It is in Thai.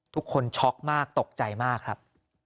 ทุกคนช็อกมากตกใจมากครับ